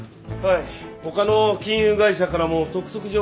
他の金融会社からも督促状が届いてました。